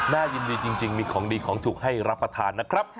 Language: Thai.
น่ายินดีจริงมีของดีของถูกให้รับประทานนะครับ